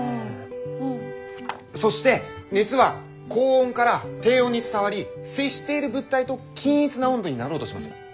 そして熱は高温から低温に伝わり接している物体と均一な温度になろうとします。